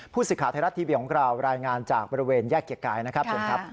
ผู้ศึกฆาทยาธิรัฐทีวีของเรารายงานจากบริเวณแยกอย่างกายนะครับ